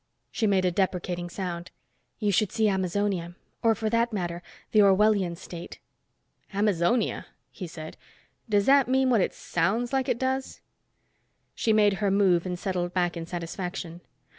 She made a deprecating sound. "You should see Amazonia, or, for that matter, the Orwellian State." "Amazonia," he said, "does that mean what it sounds like it does?" She made her move and settled back in satisfaction.